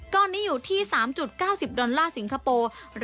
ตอนนี้อยู่ที่๓๙๐ดอลลาร์สิงคโปร์